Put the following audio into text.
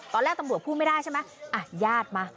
ตอนแรกตำรวจพูดไม่ได้ใช่ไหมอ่ะญาติมา